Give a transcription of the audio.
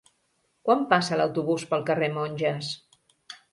Quan passa l'autobús pel carrer Monges?